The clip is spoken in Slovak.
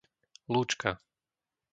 Lúčka